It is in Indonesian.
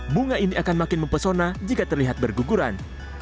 bunga ini akan makin mempesona jika terlihat berguguran